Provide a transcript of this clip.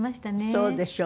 そうでしょ？